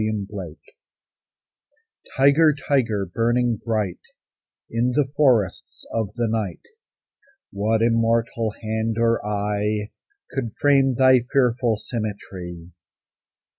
THE TIGER Tiger, tiger, burning bright In the forests of the night, What immortal hand or eye Could frame thy fearful symmetry?